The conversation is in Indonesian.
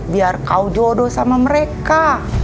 biar kau jodoh sama mereka